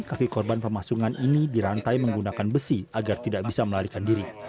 kaki korban pemasungan ini dirantai menggunakan besi agar tidak bisa melarikan diri